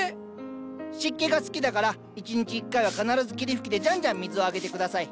湿気が好きだから１日１回は必ず霧吹きでじゃんじゃん水をあげて下さい。